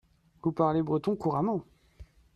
Vous parlez breton couramment.